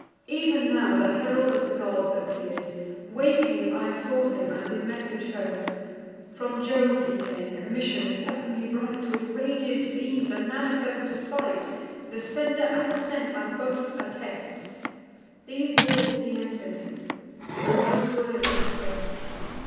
Ev'n now the herald of the gods appear'd: Waking I saw him, and his message heard. From Jove he came commission'd, heav'nly bright With radiant beams, and manifest to sight (The sender and the sent I both attest) These walls he enter'd, and those words express'd.